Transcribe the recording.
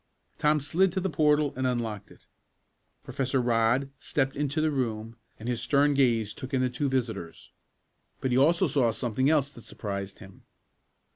Tom slid to the portal and unlocked it. Professor Rodd stepped into the room and his stern gaze took in the two visitors. But he also saw something else that surprised him.